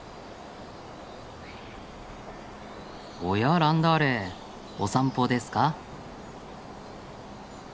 おやランダーレお散歩ですか？